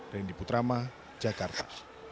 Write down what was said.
randy putrama jakarta